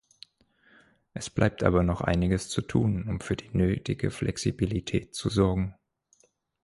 Es bleibt aber noch einiges zu tun, um für die nötige Flexibilität zu sorgen.